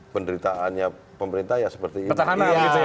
penderitaannya pemerintah seperti ini